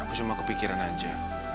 aku cuma kepikiran aja